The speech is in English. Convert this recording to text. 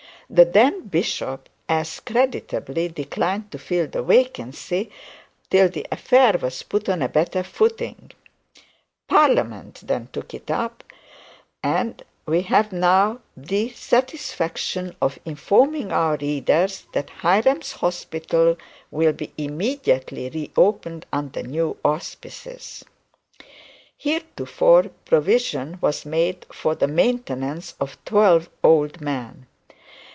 The then bishop then as creditably declined to fill the vacancy till the affair was put on a better footing. Parliament then took it up; and we have now the satisfaction of informing our readers that Hiram's Hospital will be immediately re opened under new auspices. Heretofore, provision was made for the maintenance of twelve old men.